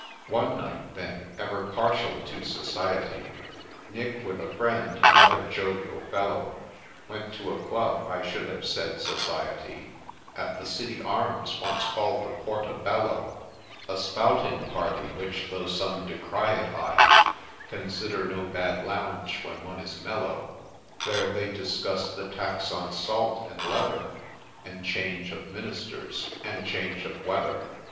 One night, then, ever partial to society, Nick, with a friend (another jovial fellow), Went to a Club — I should have said Society — At the ' City Arms,' once call'd the Porto Bello ; A Spouting party, which, though some decry it, I Consider no bad lounge when one is mellow ; There they discuss the tax on salt, and leather, And change of ministers and change of weather.